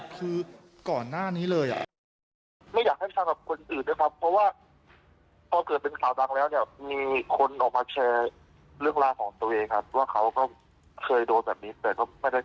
คือก่อนหน้านี้เลย